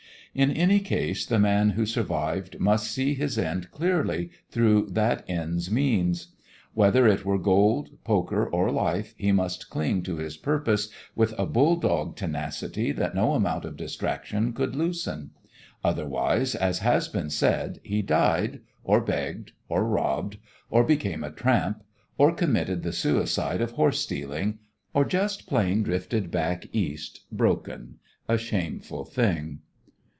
In any case the man who survived must see his end clearly through that end's means. Whether it were gold, poker, or life, he must cling to his purpose with a bulldog tenacity that no amount of distraction could loosen. Otherwise, as has been said, he died, or begged, or robbed, or became a tramp, or committed the suicide of horse stealing, or just plain drifted back East broken a shameful thing.